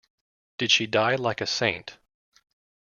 Did she die like a saint?